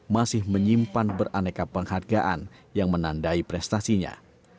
masih menyimpan beraneka penghargaan yang menandai prestasinya